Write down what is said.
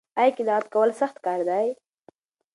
ایا قناعت کول سخت کار دی؟